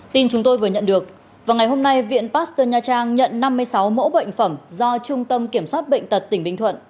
tin chúng tôi vừa nhận được vào ngày hôm nay viện pasteur nha trang nhận năm mươi sáu mẫu bệnh phẩm do trung tâm kiểm soát bệnh tật tỉnh bình thuận